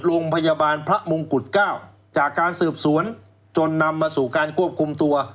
โรงพยาบาลพระมงกุฎเก้าจากการสืบสวนจนนำมาสู่การควบคุมตัว